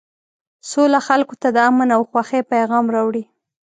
سوله خلکو ته د امن او خوښۍ پیغام راوړي.